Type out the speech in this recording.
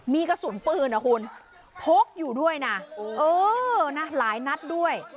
มีกระสุนปืนนะคุณพกอยู่ด้วยนะเออนะหลายนัดด้วย